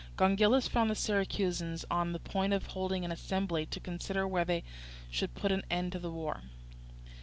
Gongylus found the Syracusans on the point of holding an assembly to consider whether they should put an end to the war.